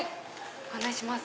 ご案内します。